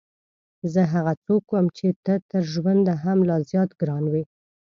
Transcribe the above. زه هغه څوک وم چې ته تر ژونده هم لا زیات ګران وې.